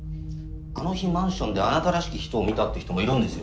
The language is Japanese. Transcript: あの日マンションであなたらしき人を見たって人もいるんですよ